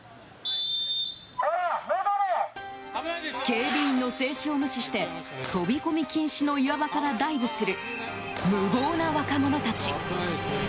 警備員の制止を無視して飛び込み禁止の岩場からダイブする無謀な若者たち。